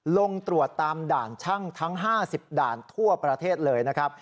ลงตรวจตามด่านช่างทั้ง๕๐ด่านทั่วประเทศเลยนะครับ